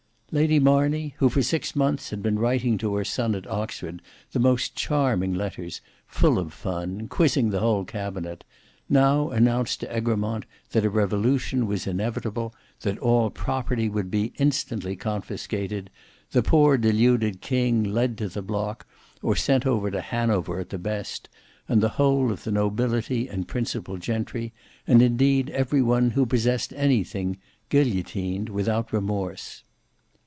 Lady Marney who for six months had been writing to her son at Oxford the most charming letters, full of fun, quizzing the whole Cabinet, now announced to Egremont that a revolution was inevitable, that all property would be instantly confiscated, the poor deluded king led to the block or sent over to Hanover at the best, and the whole of the nobility and principal gentry, and indeed every one who possessed anything, guillotined without remorse.